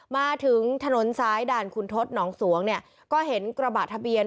มาถึงถนนซ้ายด่านคุณทศหนองสวงเนี่ยก็เห็นกระบะทะเบียน